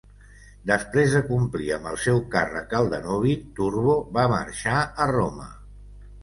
Després de complir amb el seu càrrec al Danubi, Turbo va marxar a Roma.